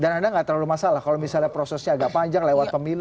dan anda nggak terlalu masalah kalau misalnya prosesnya agak panjang lewat pemilu